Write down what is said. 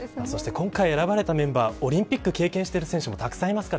今回選ばれたメンバーオリンピックを経験している選手もいます。